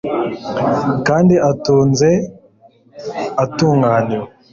kandi atunze, atunganiwe